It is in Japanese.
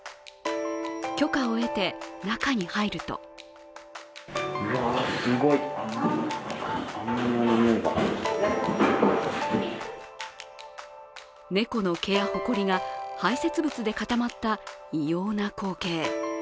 許可を得て、中に入ると猫の毛やほこりが排せつ物で固まった異様な光景。